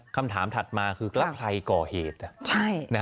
คำถามถัดมาคือคลับไครก่อเหตุนะ